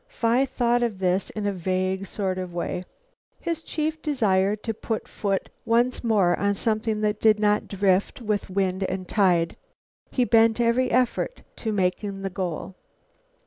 Phi thought of this in a vague sort of way. His chief desire to put foot once more on something that did not drift with wind and tide, he bent every effort to making the goal.